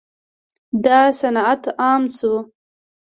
دا صنعت عام شو.